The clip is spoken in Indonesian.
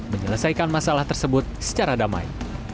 menyelesaikan masalah tersebut secara damai